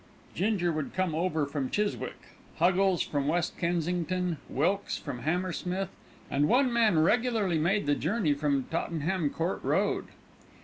Ginger would come over from Chiswick, Huggles from West Kensington, Wilkes from Hammersmith, and one man regularly made the journey from Tottenham Court Road.